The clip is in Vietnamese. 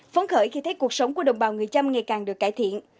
phấn khởi khi thấy cuộc sống của đồng bào người trăm ngày càng được cải thiện